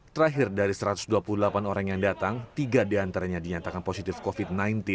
terakhir dari satu ratus dua puluh delapan orang yang datang tiga diantaranya dinyatakan positif covid sembilan belas